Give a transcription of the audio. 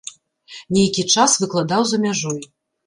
Нейкі час выкладаў за мяжой.